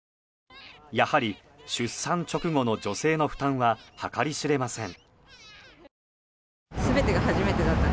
やはり、出産直後の女性の負担は計り知れません。